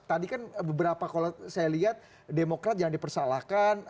tadi kan beberapa kalau saya lihat demokrat jangan dipersalahkan